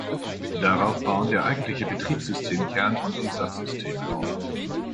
Darauf bauen der eigentliche Betriebssystem-Kern und die Subsysteme auf.